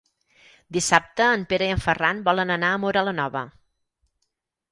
Dissabte en Pere i en Ferran volen anar a Móra la Nova.